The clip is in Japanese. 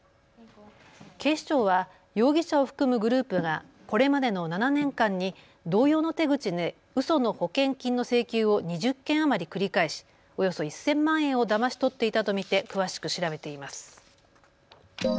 警視庁は容疑者を含むグループがこれまでの７年間に同様の手口でうその保険金の請求を２０件余り繰り返しおよそ１０００万円をだまし取っていたと見て詳しく調べています。